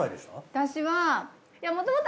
私は。